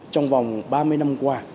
trong vòng ba mươi năm qua